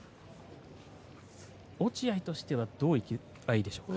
落合としてはどういけばいいでしょうか。